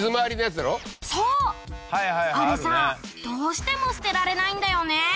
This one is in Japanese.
どうしても捨てられないんだよね。